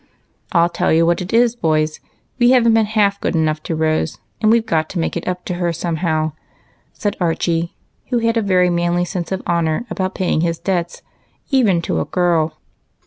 "I'll tell you what it is, boys, — we haven't been half good enough to Rose, and we 've got to make it up to her somehow," said Archie, who had a very manly sense of honor about paying his debts, even to a girl.